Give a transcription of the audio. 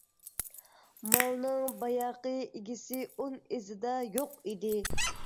مالنىڭ بايىقى ئىگىسى ئون ئىزدا يوق ئىدى.